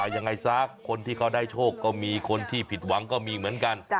ยังไงซะคนที่เขาได้โชคก็มีคนที่ผิดหวังก็มีเหมือนกัน